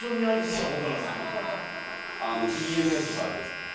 ＥＭＳとかあるじゃないですか。